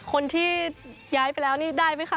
คนที่ย้ายไปแล้วนี่ได้ไหมคะ